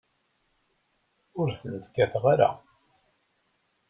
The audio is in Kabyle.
Ur tent-kkateɣ ara.